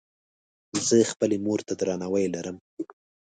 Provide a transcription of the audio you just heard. زۀ خپلې مور ته درناوی لرم.